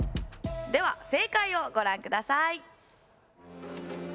では正解をご覧ください。